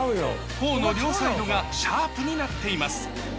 頬の両サイドがシャープになっています